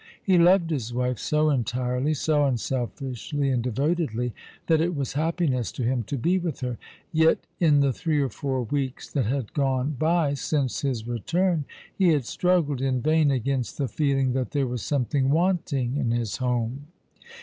He loved his wife so entirely, so unselfishly, and devotedly, that it was happiness to him to be with her ; yet in the three or four weeks that had gone by since his return he had struggled in vain against the feeling that there was something wanting in his home.